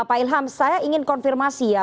pak ilham saya ingin konfirmasi ya